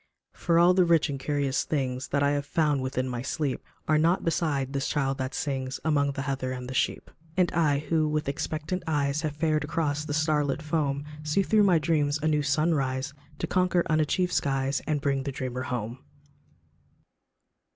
For all the rich and curious things That I have found within my sleep, Are nought beside this child that sings Among the heather and the sheep ; And I, who with expectant eyes Have fared across the star lit foam, See through my dreams a new sun rise To conquer unachieved skies, And bring the dreamer home.